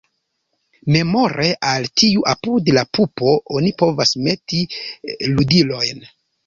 Memore al tio apud la pupo oni povas meti ludilojn.